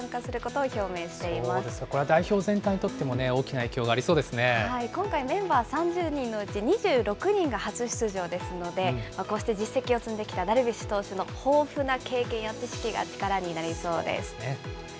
そうですか、これは代表全体にとっても大きな影響がありそう今回、メンバー３０人のうち２６人が初出場ですので、こうして実績を積んできたダルビッシュ投手の豊富な経験や知識が力になりそうです。